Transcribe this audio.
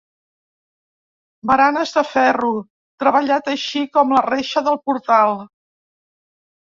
Baranes de ferro treballat així com la reixa del portal.